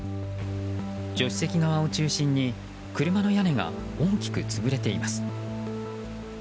助手席側を中心に車の屋根が大きく潰れています。